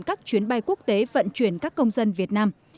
các chuyến bay quốc tế vận chuyển các công dân việt nam